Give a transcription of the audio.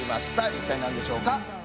一体何でしょうか？